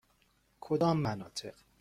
کدام مناطق؟